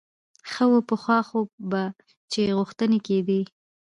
ښه وه پخوا خو به چې غوښتنې کېدې.